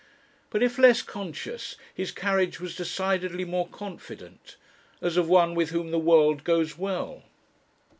But if less conscious, his carriage was decidedly more confident as of one with whom the world goes well.